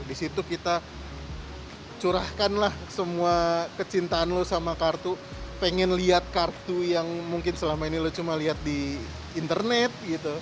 di situ kita curahkanlah semua kecintaan lo sama kartu pengen lihat kartu yang mungkin selama ini lo cuma lihat di internet gitu